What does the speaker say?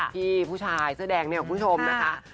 ที่ผู้ชายเสื้อแดงเนี่ยคุณผู้ชมนะคะ